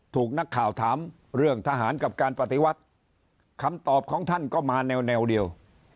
ถูกนักข่าวถามเรื่องทหารกับการปฏิวัติคำตอบของท่านก็มาแนวเดียว